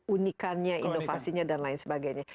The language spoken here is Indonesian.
unikannya inovasinya dan lain sebagainya